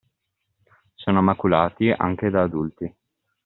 Sono maculati anche da adulti.